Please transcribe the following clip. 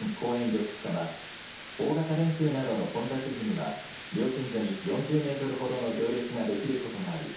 緑地課は大型連休などの混雑時には料金所に４０メートルほどの行列ができることもある。